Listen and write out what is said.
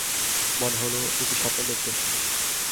মনে হইল, এ কি স্বপ্ন দেখিতেছি।